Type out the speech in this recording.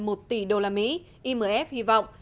một tỷ đô la mỹ imf hy vọng